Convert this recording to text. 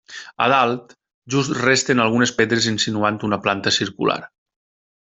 A dalt, just resten algunes pedres insinuant una planta circular.